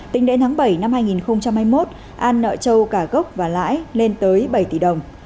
tính đến tháng bảy năm hai nghìn hai mươi một an nợ trâu cả gốc và lãi lên tới bảy tỷ đồng